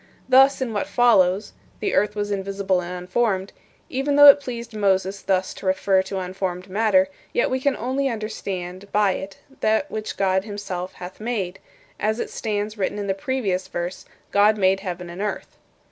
Thus, in what follows 'the earth was invisible and unformed' even though it pleased Moses thus to refer to unformed matter, yet we can only understand by it that which God himself hath made, as it stands written in the previous verse, 'God made heaven and earth.'"